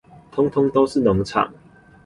通通都是農場